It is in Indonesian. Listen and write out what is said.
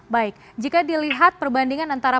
baik jika dilihat perbandingan antara